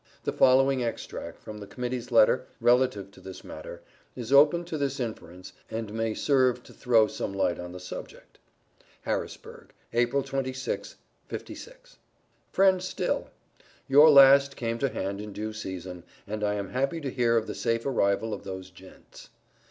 The following extract, from the Committee's letter, relative to this matter, is open to this inference, and may serve to throw some light on the subject: HARRISBURG, April 28, '56. Friend Still: Your last came to hand in due season, and I am happy to hear of the safe arrival of those gents.